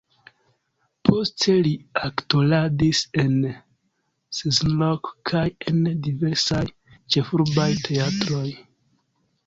Poste li aktoradis en Szolnok kaj en diversaj ĉefurbaj teatroj.